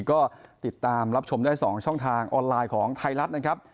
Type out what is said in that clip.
ก็ติดตามรับชมได้๒ช่องทางออนไลน์ของไทยรัฐนะครับ